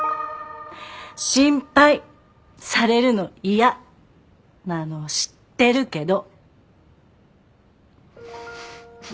心配されるの嫌なの知ってるけど。